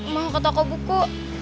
mau ke toko buku